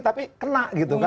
tapi kena gitu kan